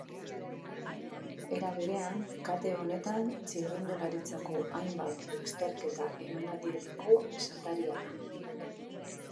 Era berean, kate honetan txirrindularitzako hainbat lasterketa emanaldietako esataria da.